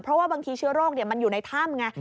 เพราะว่าบางทีเชื้อโรคมันอยู่ในถ้ำไง